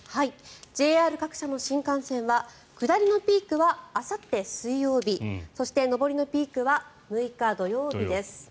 ＪＲ各社の新幹線は下りのピークがあさって水曜日そして、上りのピークは６日、土曜日です。